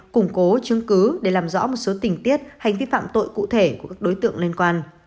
củng cố chứng cứ để làm rõ một số tình tiết hành vi phạm tội cụ thể của các đối tượng liên quan